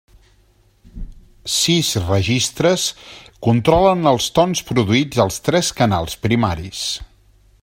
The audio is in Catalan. Sis registres controlen els tons produïts als tres canals primaris.